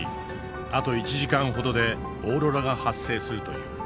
あと１時間ほどでオーロラが発生するという。